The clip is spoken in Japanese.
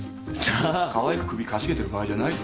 かわいく首かしげてる場合じゃないぞ。